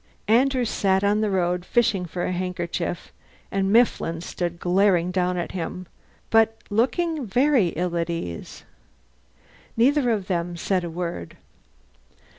Andrew sat in the road fishing for a handkerchief, and Mifflin stood glaring at him, but looking very ill at ease. Neither of them said a word.